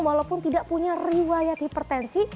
walaupun tidak punya riwayat hipertensi